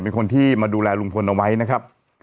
เป็นคนที่มาดูแลลุงพลเอาไว้นะครับ